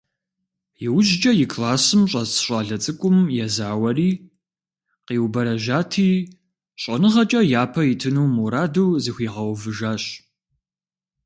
Иужькӏэ и классым щӏэс щӏалэ цӏыкӏум езауэри, къиубэрэжьати, щӏэныгъэкӏэ япэ итыну мураду зыхуигъэувыжащ.